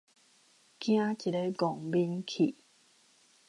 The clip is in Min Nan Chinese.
驚一下戇面去